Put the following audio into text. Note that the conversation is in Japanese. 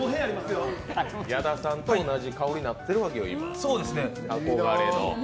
矢田さんと同じ香りになってるわけよ、今、憧れの。